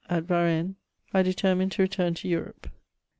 AT VARBNNE8 — ^I DETERMINE TO RETURN TO EUROPE.